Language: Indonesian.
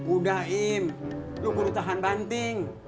udah im lu butuh tahan banting